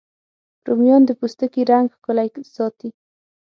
رومیان د پوستکي رنګ ښکلی ساتي